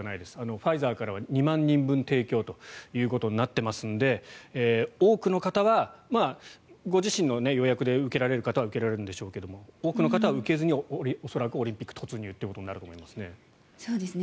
ファイザーからは２万人分提供となっていますので多くの方はご自身の予約で受けられる方は受けられるんでしょうけど多くの方は受けずに恐らくオリンピック突入ということになると思いますね。